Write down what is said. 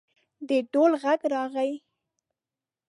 د ډول غږ راغی.